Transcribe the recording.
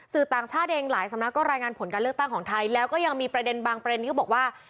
สื่อต่างชาติเองหลายสำนักก็รายงานผลการเลือกตั้งของไทยแล้วก็ยังมีประเด็นบางประเด็นเขาบอกว่า